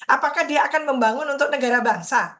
apakah dia akan membangun untuk negara bangsa